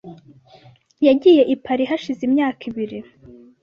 Yagiye i Paris hashize imyaka ibiri .